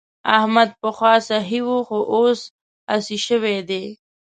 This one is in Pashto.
احمد پخوا سخي وو خو اوس اسي شوی دی.